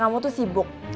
cak kita tidur